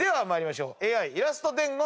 ＡＩイラスト伝言！